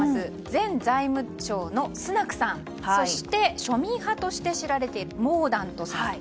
前財務相のスナクさんそして、庶民派として知られているモーダントさん。